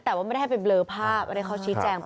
แต่ว่าไม่ได้ให้เป็นเบลอภาพไม่ได้ข้อชีวิตแจง